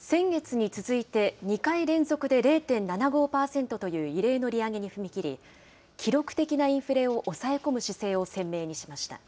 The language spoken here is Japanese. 先月に続いて、２回連続で０．７５％という異例の利上げに踏み切り、記録的なインフレを抑え込む姿勢を鮮明にしました。